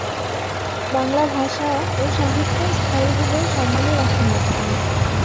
বাংলা ভাষা ও সাহিত্য স্থায়ীভাবে সম্মানের আসন লাভ করল।